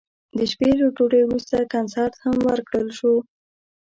د شپې له ډوډۍ وروسته کنسرت هم ورکړل شو.